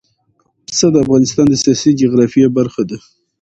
پسه د افغانستان د سیاسي جغرافیه برخه ده.